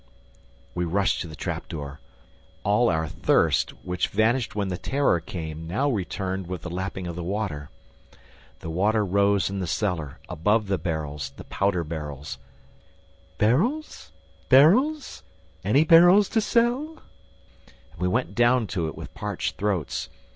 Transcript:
We rushed to the trap door. All our thirst, which vanished when the terror came, now returned with the lapping of the water. The water rose in the cellar, above the barrels, the powder barrels "Barrels! ... Barrels! Any barrels to sell?" and we went down to it with parched throats.